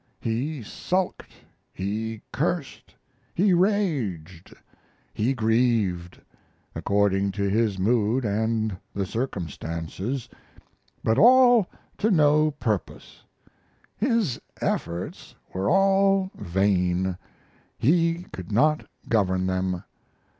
He sulked, he cursed, he raged, he grieved, according to his mood and the circumstances, but all to no purpose; his efforts were all vain, he could not govern them.